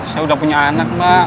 saya udah punya anak mbak